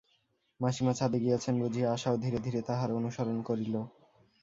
মাসিমা ছাদে গিয়াছেন বুঝিয়া আশাও ধীরে ধীরে তাঁহার অনুসরণ করিল।